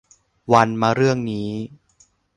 วันมะเรื่องนี้